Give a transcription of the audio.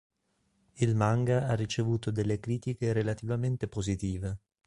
Il manga ha ricevuto delle critiche relativamente positive.